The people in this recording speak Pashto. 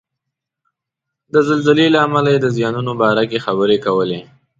د زلزلې له امله یې د زیانونو باره کې خبرې کولې.